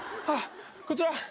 あっこちら。